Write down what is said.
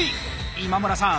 今村さん